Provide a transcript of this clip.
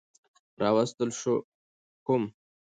راوستل شو کوم